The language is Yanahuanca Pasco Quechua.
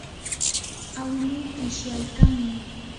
awiluu qishyaykanmi.